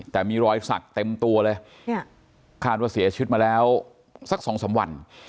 แต่มีรอยสักเต็มตัวเลยเนี่ยคาดว่าเสียชีวิตมาแล้วสักสองสามวัน